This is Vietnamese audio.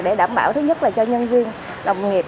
để đảm bảo thứ nhất là cho nhân viên đồng nghiệp